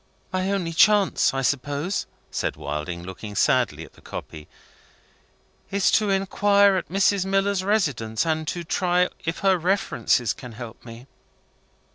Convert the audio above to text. "My only chance, I suppose," said Wilding, looking sadly at the copy, "is to inquire at Mrs. Miller's residence, and to try if her references can help me?"